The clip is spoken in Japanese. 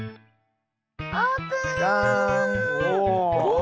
お！